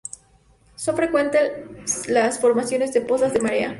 Son frecuentes las formaciones de pozas de marea.